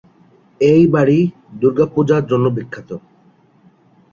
এই বাড়ি "দুর্গা পূজা"র জন্য বিখ্যাত।